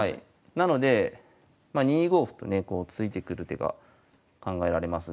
なのでまあ２五歩とね突いてくる手が考えられますが。